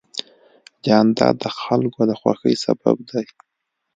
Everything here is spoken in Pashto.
جانداد د خلکو د خوښۍ سبب دی.